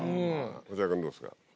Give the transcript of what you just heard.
藤原君どうですか？